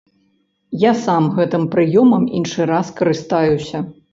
Я сам гэтым прыёмам іншы раз карыстаюся.